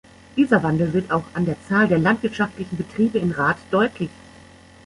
Dieser Wandel wird auch an der Zahl der landwirtschaftlichen Betriebe in Rath deutlich.